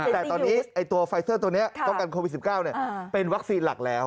แต่ตอนนี้ไฟเซอร์ตรงคลสิบเก้าเป็นวัคซีนหลักแล้ว